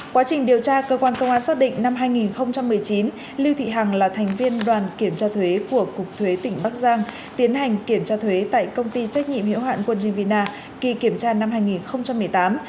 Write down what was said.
quá trình điều tra cơ quan công an xác định năm hai nghìn một mươi chín lưu thị hằng là thành viên đoàn kiểm tra thuế của cục thuế tỉnh bắc giang tiến hành kiểm tra thuế tại công ty trách nhiệm hiệu hạn quân jevina kỳ kiểm tra năm hai nghìn một mươi tám